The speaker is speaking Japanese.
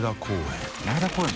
前田公園」